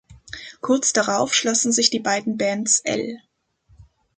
Kurz darauf schlossen sich die beiden Bands "L.